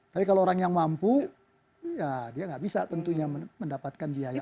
tapi kalau orang yang mampu ya dia nggak bisa tentunya mendapatkan biaya